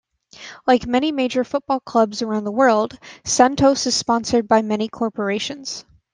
Like many major football clubs around the world, Santos is sponsored by many corporations.